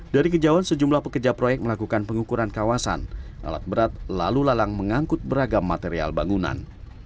dari kejauhan sejumlah pekerja proyek melakukan pengukuran kawasan alat berat lalu lalang mengangkut beragam material bangunan